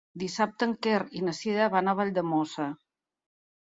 Dissabte en Quer i na Sira van a Valldemossa.